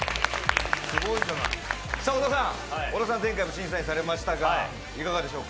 小田さん、前回も審査員されましたが、いかがでしょうか？